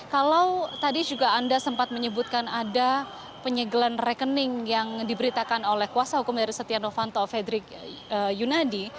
kalau tadi juga anda sempat menyebutkan ada penyegelan rekening yang diberitakan oleh kuasa hukum dari setia novanto fedrik yunadi